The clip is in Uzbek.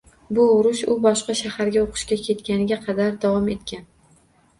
Bu urush u boshqa shaharga o‘qishga ketganiga qadar davom etgan.